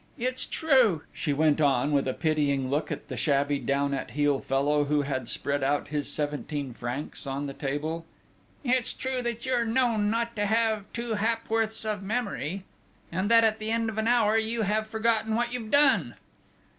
It's true," she went on, with a pitying look at the shabby, down at heel fellow, who had spread out his seventeen francs on the table, "it's true that you're known not to have two ha'p'orths of memory, and that at the end of an hour you have forgotten what you've done!"